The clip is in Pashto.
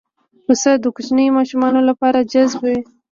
پسه د کوچنیو ماشومانو لپاره جذاب وي.